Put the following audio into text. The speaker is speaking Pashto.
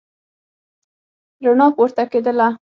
رڼا پورته کېدله.